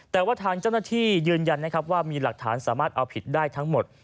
แต่ว่าทางเจ้าหน้าที่ยืนยันนะครับว่ามีหลักฐานสามารถเอาผิดได้ทั้งหมด